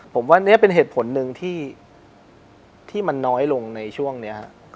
ผมว่านี้เป็นเหตุผลหนึ่งที่มันน้อยลงในช่วงนี้